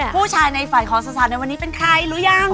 ผู้ชายในฝ่ายของสาวในวันนี้เป็นใครรู้ยัง